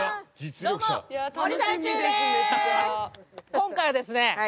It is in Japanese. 今回はですね